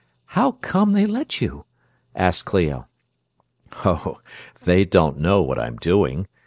"How come they let you?" asked Clio. "Oh, they don't know what I'm doing.